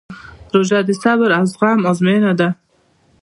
روژه د صبر او زغم ازموینه ده.